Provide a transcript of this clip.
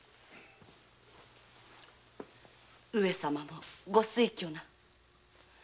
上様もご酔狂な。